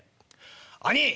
「兄ぃ！